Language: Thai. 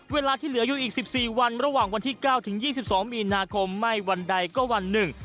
เวลาที่เหลืออยู่อีก๑๔วันระหว่างวันที่๙ถึง๒๒มีนาคมไม่วันใดก็วันหนึ่ง